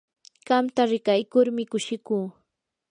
qamta rikaykurmi kushikuu.